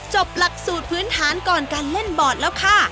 หลักสูตรพื้นฐานก่อนการเล่นบอร์ดแล้วค่ะ